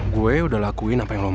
gue udah lakuin apa yang lo mau